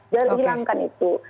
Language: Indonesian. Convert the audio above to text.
jadi hilangkan itu